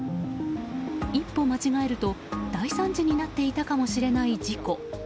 一歩間違えると、大惨事になっていたかもしれない事故。